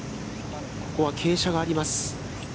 ここは傾斜があります。